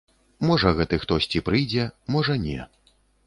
Можа гэты хтосьці прыйдзе, можа не.